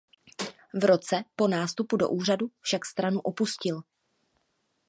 V roce po nástupu do úřadu však stranu opustil.